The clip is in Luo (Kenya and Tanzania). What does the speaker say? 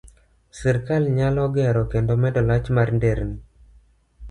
Sirkal nyalo gero kendo medo lach mar nderni